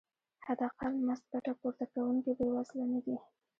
حداقل مزد ګټه پورته کوونکي بې وزله نه دي.